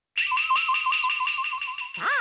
さあ。